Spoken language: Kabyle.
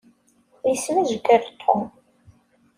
Yesmejger Tom.